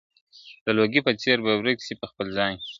د لوګي په څېر به ورک سي په خپل ځان کي !.